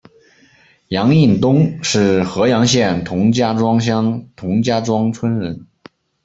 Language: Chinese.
杨荫东是合阳县同家庄乡同家庄村人。